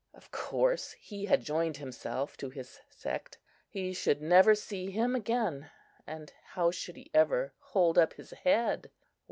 Of course, he had joined himself to his sect, and he should never see him again; and how should he ever hold up his head?